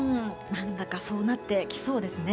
何だかそうなってきそうですね。